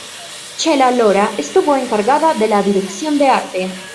Chela Lora estuvo encargada de la dirección de arte.